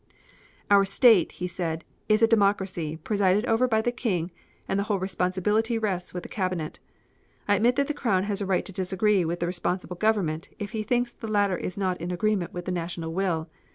"Our State," he said, "is a democracy, presided over by the King, and the whole responsibility rests with the Cabinet. I admit that the Crown has a right to disagree with the responsible Government if he thinks the latter is not in agreement with the national will.